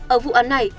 ở vụ án này